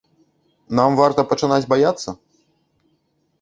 Нам варта пачынаць баяцца?